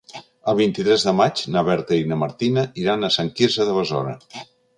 El vint-i-tres de maig na Berta i na Martina iran a Sant Quirze de Besora.